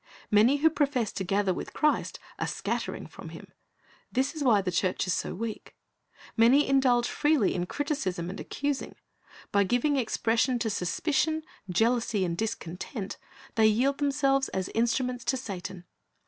Many who profess to gather with Christ are scattering from Him. This is why the church is so weak. Many indulge freely Talents 341 in criticism and accusing. By giving expression to suspicion, jealousy, and discontent, they yield themselves as instruments to Satan.